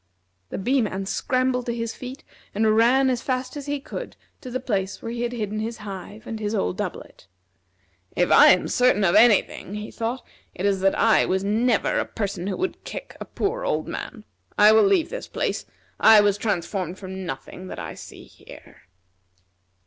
The Bee man scrambled to his feet, and ran as fast as he could to the place where he had hidden his hive and his old doublet. "If I am certain of any thing," he thought, "it is that I was never a person who would kick a poor old man. I will leave this place. I was transformed from nothing that I see here."